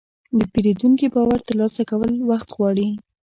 د پیرودونکي باور ترلاسه کول وخت غواړي.